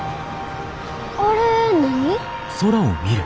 あれ何？